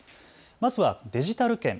まずはデジタル券。